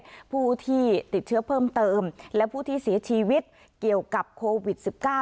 จะหลุดเพิ่มเติมประถามในผู้ที่ติดเชื้อเพิ่มเติมและผู้ที่เสียชีวิตเกี่ยวกับโควิด๑๙แล้ว